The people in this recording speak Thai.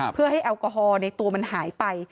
เพื่อให้แอลกอฮอล์ในตัวมันหายไป